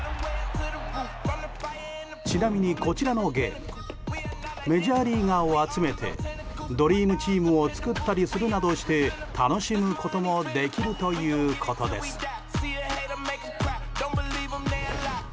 ちなみに、こちらのゲームメジャーリーガーを集めてドリームチームを作ったりするなどして楽しむこともできるということです。